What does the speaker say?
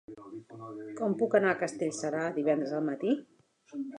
Com puc anar a Castellserà divendres al matí?